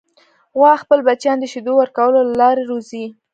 غوا خپل بچیان د شیدو ورکولو له لارې روزي.